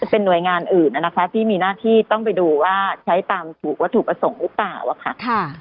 เป็นหน่วยงานอื่นนะคะที่มีหน้าที่ต้องไปดูว่าใช้ตามถูกวัตถุประสงค์หรือเปล่าค่ะ